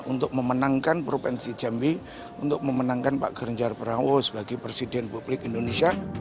untuk memenangkan provinsi jambi untuk memenangkan pak ganjar pranowo sebagai presiden republik indonesia